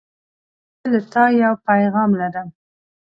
زه له تا یو پیغام لرم.